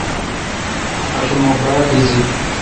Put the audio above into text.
آشم مہ باڑ ڈزیل۔